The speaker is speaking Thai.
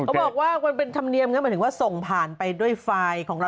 บอกว่ามันเป็นธรรมเนียมก็หมายถึงว่าส่งผ่านไปด้วยไฟล์ของเรา